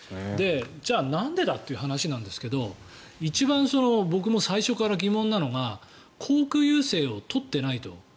じゃあ、なんでだっていう話なんですけど一番僕も最初から疑問なのが航空優勢を取ってないと。